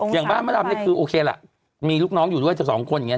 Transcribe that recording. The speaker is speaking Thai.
อย่างบ้านมะดำนี่คือโอเคล่ะมีลูกน้องอยู่ด้วยจะสองคนอย่างนี้